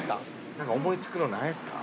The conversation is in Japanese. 何か思い付くのないですか？